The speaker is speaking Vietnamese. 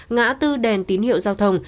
ngã tư đèn tín hiệu giao thông